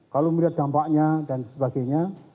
kalau melihat dampaknya dan sebagainya